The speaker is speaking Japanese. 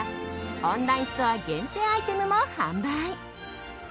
オンラインストア限定アイテムも販売。